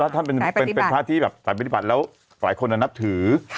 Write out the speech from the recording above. ท่านเป็นพระที่แบบสายปฏิบัติแล้วหลายคนนับถือ